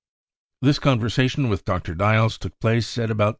" This conversation with Dr. Diehls took place at about, 7.